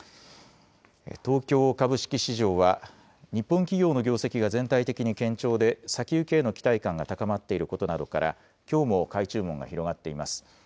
東京株式市場は、日本企業の業績が全体的に堅調で先行きへの期待感が高まっていることなどから、きょうも買い注文が広がっています。